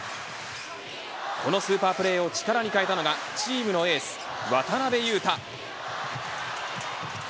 このスーパープレーを力に変えたのがチームのエース渡邊雄太。